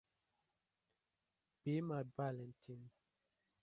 Be my Valentine!